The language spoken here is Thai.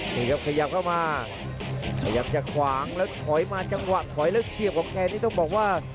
นี่ครับขยับเข้ามาพยายามจะขวางแล้วถอยมาจังหวะถอยแล้วเสียบของแกนี่ต้องบอกว่า